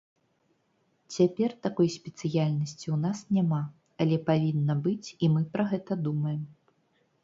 Цяпер такой спецыяльнасці ў нас няма, але павінна быць, і мы пра гэта думаем.